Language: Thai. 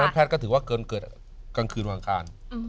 แพทย์ก็ถือว่าเกินเกิดกลางคืนวันอังคาร